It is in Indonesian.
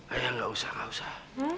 ayah gak usah gak usah